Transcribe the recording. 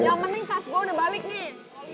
yang penting tas gue udah balik nih